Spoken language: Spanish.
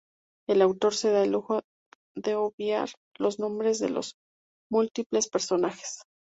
El autor se da el lujo de obviar los nombres de los múltiples personajes.